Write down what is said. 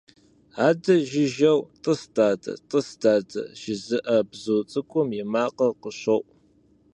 Адэ жыжьэу «тӏыс дадэ, тӏыс дадэ» жызыӏэ бзу цӏыкӏум и макъыр къыщоӏу.